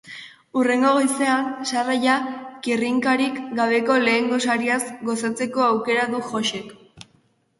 Hurrengo goizean, sarraila kirrinkarik gabeko lehen gosariaz gozatzeko aukera du Joxek.